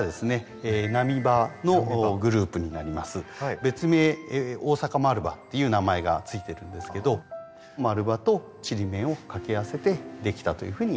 別名大阪丸葉っていう名前が付いてるんですけど丸葉とちりめんを掛け合わせてできたというふうにいわれてます。